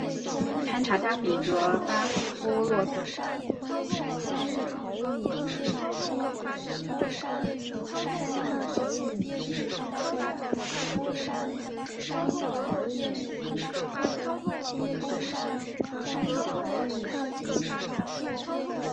供应商帐户中的资金可以是真实或者虚构的货币。